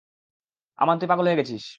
আমান তুই পাগল হয়ে গেছিস।